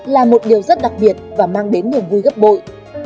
là một điều rất đặc biệt và mang đến niềm vui gấp bội